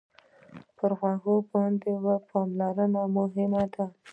په غوږو باندې پاملرنه مهمه ده.